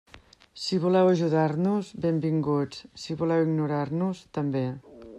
Si voleu ajudar-nos, benvinguts, si voleu ignorar-nos, també.